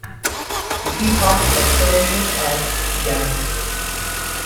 The epoch of Soviet art began.